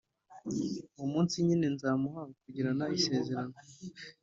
Uwo munsi nyine, nzamuha kugirana isezerano